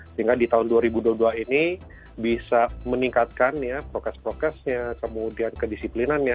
sehingga di tahun dua ribu dua puluh dua ini bisa meningkatkan prokes prokesnya kemudian kedisiplinannya